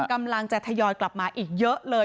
กำลังจะทยอยกลับมาอีกเยอะเลย